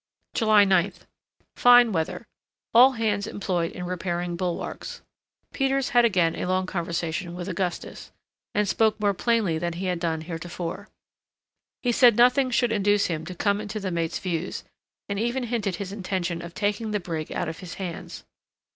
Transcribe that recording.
July 9th. Fine weather. All hands employed in repairing bulwarks. Peters had again a long conversation with Augustus, and spoke more plainly than he had done heretofore. He said nothing should induce him to come into the mate's views, and even hinted his intention of taking the brig out of his hands.